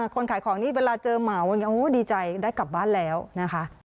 คนขายของนี่เวลาเจอเหมาดีใจได้กลับบ้านแล้วนะคะ